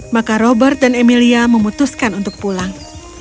maka robert dan emilia memutuskan untuk pulang